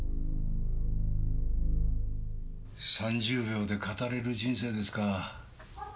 ３０秒で語れる人生ですか。